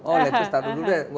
oh lepis taruh dulu deh